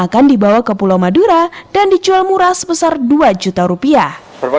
dan dibawa ke pulau madura dan dicual murah sebesar dua juta rupiah